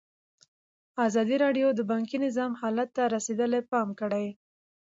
ازادي راډیو د بانکي نظام حالت ته رسېدلي پام کړی.